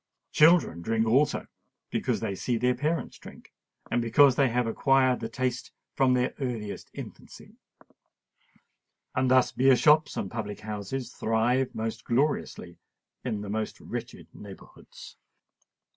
Children drink also, because they see their parents drink, and because they have acquired the taste from their earliest infancy;—and thus beer shops and public houses thrive most gloriously in the most wretched neighbourhoods.